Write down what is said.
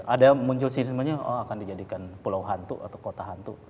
ada muncul sini akan dijadikan pulau hantu atau kota hantu